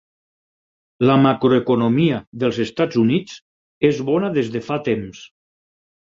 La macroeconomia dels Estats Units és bona des de fa temps.